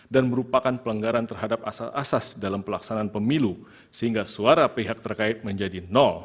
dan merupakan pelanggaran terhadap asas asas dalam pelaksanaan pemilu sehingga suara pihak terkait menjadi